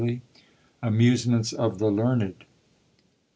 "] AMUSEMENTS OF THE LEARNED.